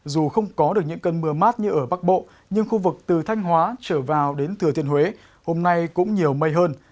dù không có được những cơn mưa mát như ở bắc bộ nhưng khu vực từ thanh hóa trở vào đến thừa thiên huế hôm nay cũng nhiều mây hơn